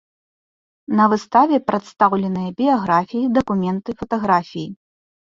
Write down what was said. На выставе прадстаўленыя біяграфіі, дакументы, фатаграфіі.